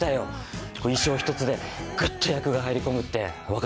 衣装一つでぐっと役が入り込むって分かった気がします。